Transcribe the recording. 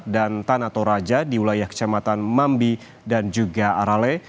dan tanah toraja di wilayah kecamatan mambi dan juga arale